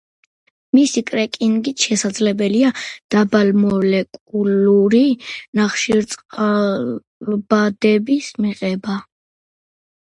მისი კრეკინგით შესაძლებელია დაბალმოლეკულური ნახშირწყალბადების მიღება.